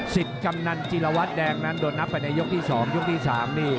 กำนันจิรวัตรแดงนั้นโดนนับไปในยกที่๒ยกที่๓นี่